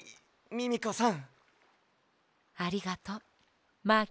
ミミコさん。